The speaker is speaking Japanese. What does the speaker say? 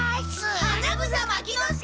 ・花房牧之介！